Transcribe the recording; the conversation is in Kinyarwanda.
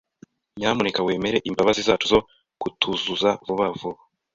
Nyamuneka wemere imbabazi zacu zo kutuzuza vuba vuba.